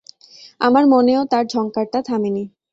আমার মনেও তার ঝংকারটা থামে নি।